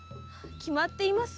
決まっています。